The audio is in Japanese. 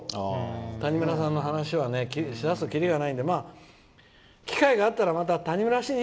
谷村さんの話はしだすときりがないんで機会があったらまた谷村新司